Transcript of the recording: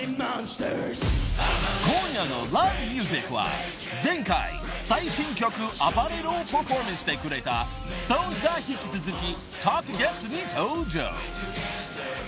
［今夜の『Ｌｏｖｅｍｕｓｉｃ』は前回最新曲『ＡＢＡＲＥＲＯ』をパフォーマンスしてくれたＳｉｘＴＯＮＥＳが引き続きトークゲストに登場］